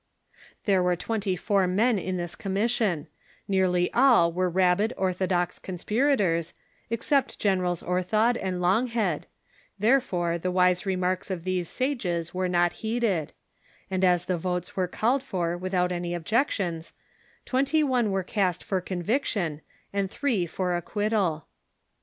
Tliere were twenty four men in this commission ; nearly all were rabid orthodox conspirators, except Generals Ortliod and Longliead, therefore tlie Avise remarks of these sages were not lieeded ; and as the votes were called for Avithont any objections, twenty one were cast for convic tion, and three for acipiittal.